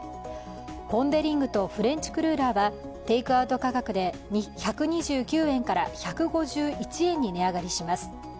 ポン・デ・リングとフレンチクルーラーはテイクテクアウト価格で１２９円から１５１円に値上がりします。